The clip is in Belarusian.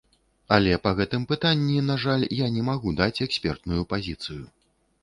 Але па гэтым пытанні, на жаль, я не магу даць экспертную пазіцыю.